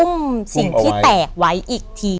หุ้มเอาไว้คุณต้องแบกไว้อีกที